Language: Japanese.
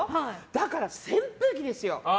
だから扇風機ですよ。